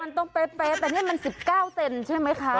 มันต้องเป๊ะแต่นี่มัน๑๙เซนใช่ไหมคะ